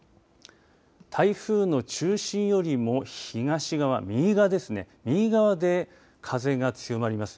台風の中心よりも東側、右側ですね、右側で風が強まります。